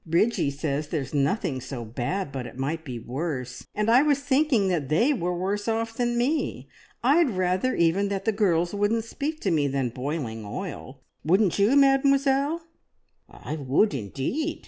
Bridgie says there's nothing so bad but it might be worse, and I was thinking that they were worse off than me. I'd rather even that the girls wouldn't speak to me than boiling oil wouldn't you, Mademoiselle?" "I would indeed!"